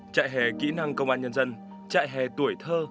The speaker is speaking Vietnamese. chạy hè kỹ năng công an nhân dân chạy hè tuổi thơ